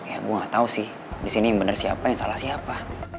ya gue gak tau sih disini benar siapa yang salah siapa